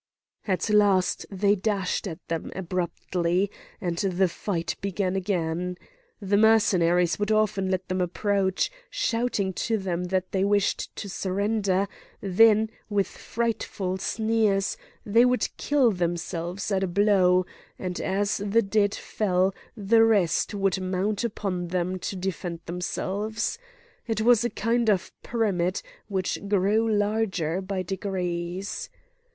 At last they dashed at them abruptly, and the fight began again. The Mercenaries would often let them approach, shouting to them that they wished to surrender; then, with frightful sneers, they would kill themselves at a blow, and as the dead fell, the rest would mount upon them to defend themselves. It was a kind of pyramid, which grew larger by degrees.